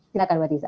silahkan mbak tiza